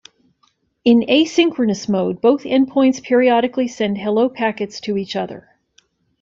In asynchronous mode, both endpoints periodically send "Hello" packets to each other.